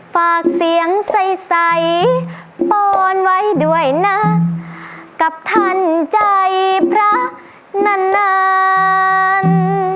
ฝากเสียงใสปอนไว้ด้วยนะกับท่านใจพระนาน